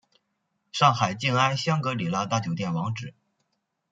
上海静安香格里拉大酒店网址